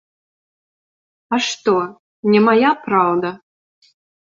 А што, не мая праўда?